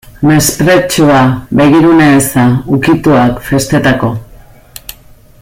Mespretxua, begirune eza, ukituak, festetako.